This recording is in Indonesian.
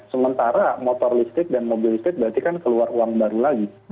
sementara motor listrik dan mobil listrik berarti kan keluar uang baru lagi